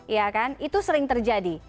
ya kan itu sering terjadi